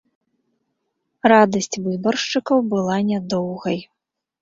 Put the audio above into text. Радасць выбаршчыкаў была нядоўгай.